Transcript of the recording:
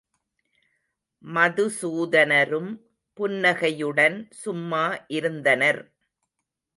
மதுசூதனரும் புன்னகையுடன் சும்மா இருந்தனர்.